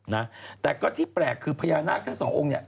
นะแต่ก็ที่แปลกคือพญานาคทั้งสององค์เนี่ย